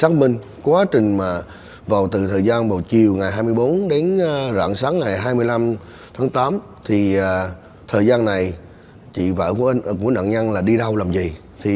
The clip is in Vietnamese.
thì thời gian này chị vợ của nạn nhân đi đâu làm gì